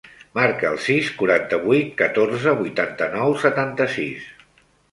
Marca el sis, quaranta-vuit, catorze, vuitanta-nou, setanta-sis.